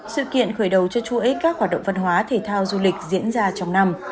sự kiện khởi đầu cho chuỗi các hoạt động văn hóa thể thao du lịch diễn ra trong năm